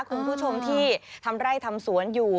คุณผู้ชมที่ทำไร่ทำสวนอยู่